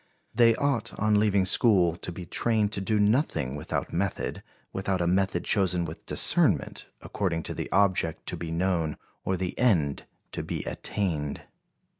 They ought, on leaving school, to be trained to do nothing without method, without a method chosen with discernment, according to the object to be known or the end to be attained."